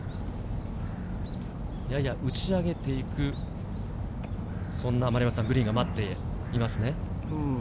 やや打ち上げていくグリーンが待っています。